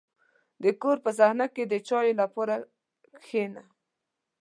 • د کور په صحنه کې د چایو لپاره کښېنه.